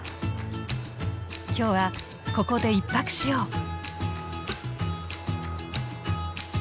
今日はここで１泊しよう。